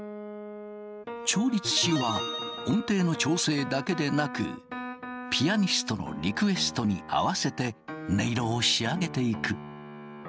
調律師は音程の調整だけでなくピアニストのリクエストに合わせて音色を仕上げていく。